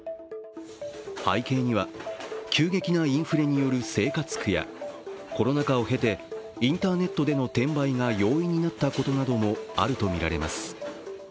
背景には、急激なインフレによる生活苦やコロナ禍を経てインターネットでの転売が容易になったことなどもあるとみられます。